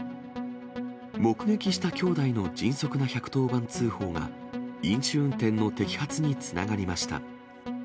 目撃した兄弟の迅速な１１０番通報が、飲酒運転の摘発につながりました。